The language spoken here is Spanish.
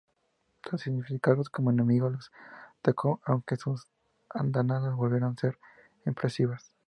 Tras identificarlos como enemigos los atacó, aunque sus andanadas volvieron a ser imprecisas.